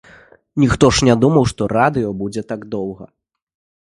Ніхто ж не думаў, што радыё будзе так доўга.